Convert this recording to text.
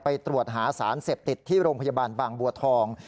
ตรวจหาสารเสพติดที่โรงพยาบาลบางบัวทอง